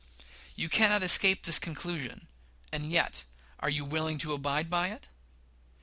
You cannot escape this conclusion; and yet, are you willing to abide by it?